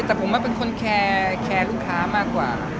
แต่ผมว่าเป็นคนแคร์ลูกค้ามากกว่า